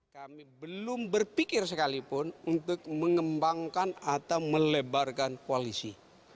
kami belum berpikir sekalipun untuk mengembangkan atau melebarkan koalisi